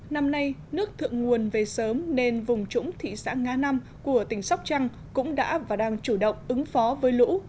năm nay nước thượng nguồn về sớm nên vùng trũng thị xã nga năm của tỉnh sóc trăng cũng đã và đang chủ động ứng phó với lũ